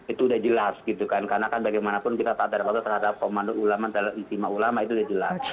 itu sudah jelas gitu kan karena kan bagaimanapun kita tak ada kata kata terhadap komando ulama terhadap istimewa ulama itu sudah jelas